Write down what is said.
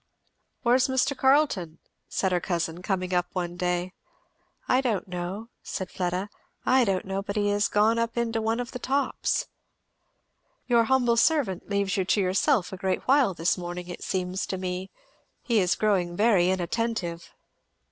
"Where's Mr. Carleton?" said her cousin coming up one day. "I don't know," said Fleda, "I don't know but he is gone up into one of the tops." "Your humble servant leaves you to yourself a great while this morning, it seems to me. He is growing very inattentive."